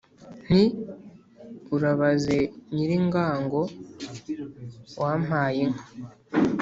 Nti Urabaze Nyilingango wa mpaye inka